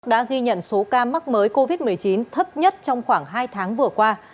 đã ghi nhận số ca mắc mới covid một mươi chín thấp nhất trong khoảng hai tháng vừa qua